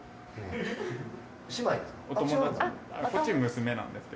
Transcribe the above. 姉妹ですか？